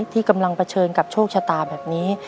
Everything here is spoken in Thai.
ที่กำลังเผชิญกับโชคชะตาแบบนี้